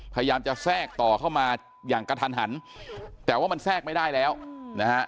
พยายามจะแทรกต่อเข้ามาอย่างกระทันหันแต่ว่ามันแทรกไม่ได้แล้วนะฮะ